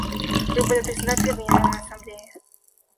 Выборы Председателя Генеральной Ассамблеи.